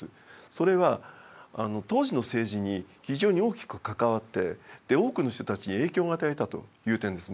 それは当時の政治に非常に大きく関わって多くの人たちに影響を与えたという点ですね。